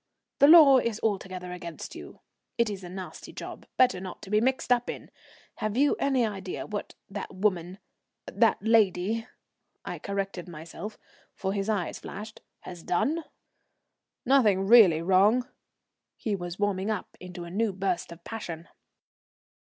"The law is altogether against you. It is a nasty job; better not be mixed up in it. Have you any idea what that woman that lady," I corrected myself, for his eyes flashed, "has done?" "Nothing really wrong," he was warming up into a new burst of passion.